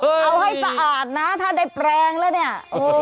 เอาให้สะอาดนะถ้าได้แปลงแล้วเนี่ย